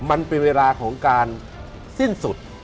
มันเป็นเวลาของการสิ้นสุด